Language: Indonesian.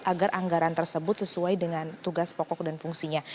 agar anggaran tersebut sesuai dengan tugas pokok dan fungsinya